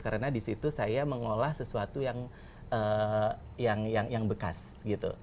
karena disitu saya mengolah sesuatu yang bekas gitu